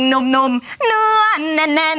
พ่มโผออกมาจากฉาก